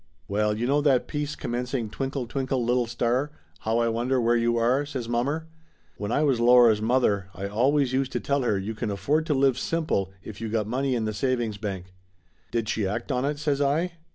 "Well, you know that piece commencing Twinkle, twinkle little star, how I wonder where you are/ " says mommer. "When I was Laura's mother I always used to tell her you can afford to live simple if you got money in the savings bank." "Did she act on it?" says I.